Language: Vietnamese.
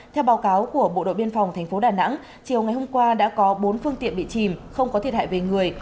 theo báo cáo của bộ đội biên phòng tp đà nẵng chiều ngày hôm qua đã có bốn phương tiện bị chìm không có thiệt hại về người